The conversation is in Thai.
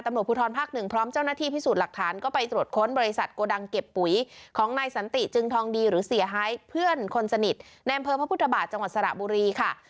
ตำรวจภูทรภาคหนึ่งพร้อมเจ้าหน้าที่พิสูจน์หลักฐานก็ไปตรวจค้นบริษัทโกดังเก็บปุ๋ยของนายสันติจึงทองดีหรือเสียหายเพื่อนคนสนิทในอำเภอพระพุทธบาทจังหวัดสระบุรีค่ะ